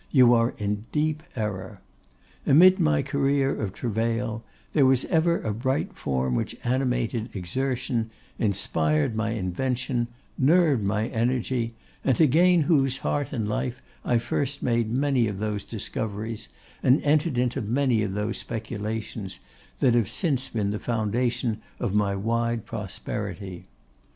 You are in deep error. Amid my career of travail, there was ever a bright form which animated exertion, inspired my invention, nerved my energy, and to gain whose heart and life I first made many of those discoveries, and entered into many of those speculations, that have since been the foundation of my wide prosperity.